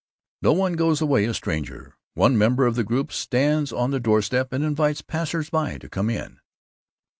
No one goes away a stranger. One member of the group stands on the doorstep and invites passers by to come in."